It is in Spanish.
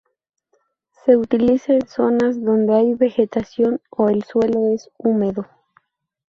Se utiliza en zonas donde hay vegetación o el suelo es húmedo.